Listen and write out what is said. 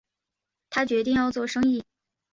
他决定要做生意